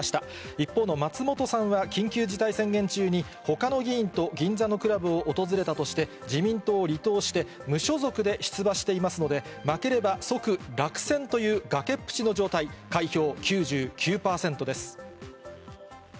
一方の松本さんは、緊急事態宣言中にほかの議員と銀座のクラブを訪れたとして、自民党を離党して、無所属で出馬していますので、負ければ即落選という崖っぷちの状態、開票９９％です。